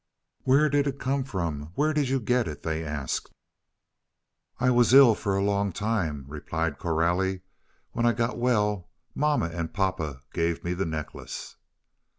"Where did it come from? Where did you get it?" they asked. "I was ill for a long time," replied Coralie. "When I got well, mamma and papa gave me the necklace."